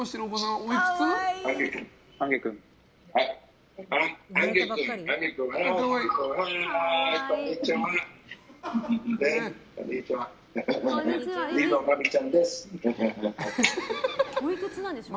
おいくつなんでしょうね。